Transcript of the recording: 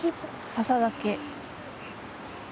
笹竹。